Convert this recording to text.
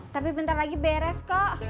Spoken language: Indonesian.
tapi bentar lagi beres kok